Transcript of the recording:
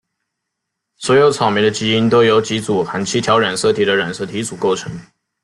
所有草莓的基因都由几组含七条染色体的染色体组构成。